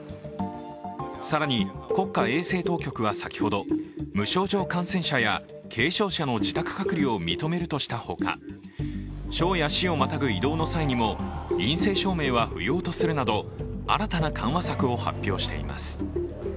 更に、国家衛生当局は先ほど無症状感染者や軽症者の自宅隔離を認めるとしたほか省や市をまたぐ移動の際にも陰性証明は不要とするなど新たな緩和策を発表しています。